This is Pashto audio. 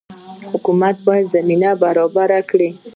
حکومت باید زمینه برابره کړي